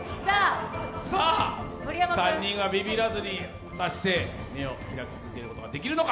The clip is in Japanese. ３人はビビらずに果たして目を開き続けることはできるのか。